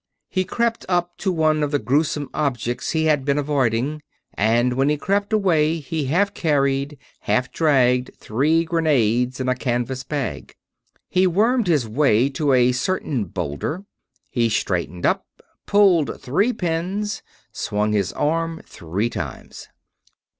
He crept up to one of the gruesome objects he had been avoiding, and when he crept away he half carried, half dragged three grenades in a canvas bag. He wormed his way to a certain boulder. He straightened up, pulled three pins, swung his arm three times.